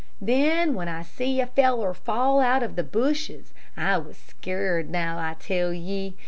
"Then when I see a feller fall out of the bushes I was scared, now I tell ye.